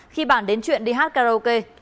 khi bản đến chuyện đi hát karaoke